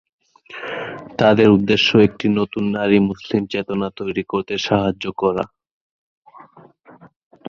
তাদের উদ্দেশ্য একটি নতুন নারী মুসলিম চেতনা তৈরি করতে সাহায্য করা।